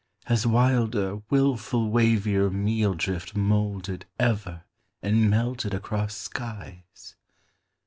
has wilder, wilful wavier Meal drift moulded ever and melted across skies?